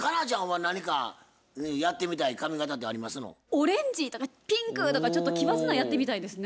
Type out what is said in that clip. オレンジとかピンクとかちょっと奇抜なんやってみたいですね。